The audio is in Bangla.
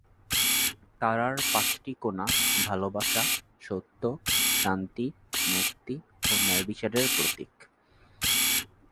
তারার পাঁচটি কোণা ভালোবাসা, সত্য, শান্তি, মুক্তি ও ন্যায়বিচারের প্রতীক।